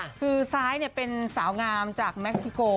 คือซ้ายเป็นสาวงามจากแม็กซิโก